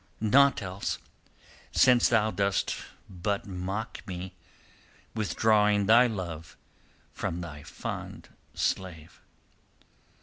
"Naught else, since thou dost but mock me, withdrawing thy love from thy fond slave."